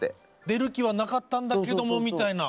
出る気はなかったんだけどもみたいな。